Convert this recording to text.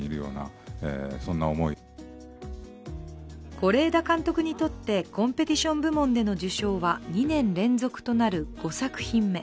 是枝監督にとってコンペティション部門での受賞は２年連続となる５作品目。